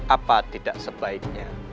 apa tidak sebaiknya